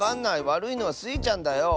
わるいのはスイちゃんだよ。